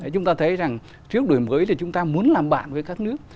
chúng ta thấy rằng trước đổi mới thì chúng ta muốn làm bạn với các nước